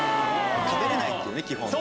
食べれないっていうね基本ね。